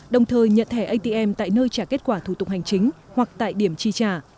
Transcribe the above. đồng thời nhận thẻ atm tại nơi trả kết quả thủ tục hành chính hoặc tại điểm chi trả